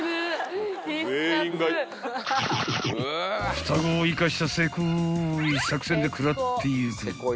［双子を生かしたセコい作戦で食らっていく］